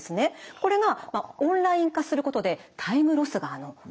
これがオンライン化することでタイムロスがなくなるんです。